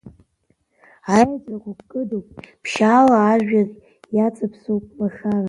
Аеҵәақәа кыдуп ԥшьаала, ажәҩан иаҵаԥсоуп лашаран.